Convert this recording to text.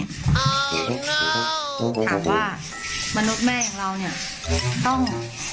ถามว่ามนุษย์แม่อย่างเราเนี่ยต้อง